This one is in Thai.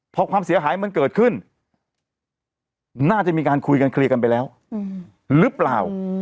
พอความเสียหายมันเกิดขึ้นน่าจะมีการคุยกันเคลียร์กันไปแล้วหรือเปล่า